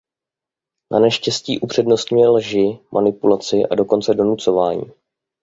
Naneštěstí upřednostňuje lži, manipulaci a dokonce donucování.